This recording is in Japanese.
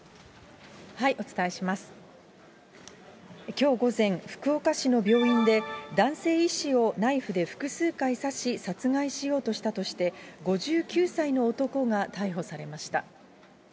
きょう午前、福岡市の病院で、男性医師をナイフで複数回刺し、殺害しようとしたとして、５９歳の男が逮捕されました。